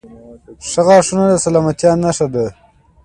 • ښه غاښونه د سلامتیا نښه ده.